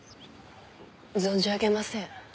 存じ上げません。